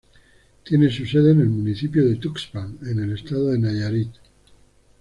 Tiene su sede en el municipio de Tuxpan en el estado de Nayarit.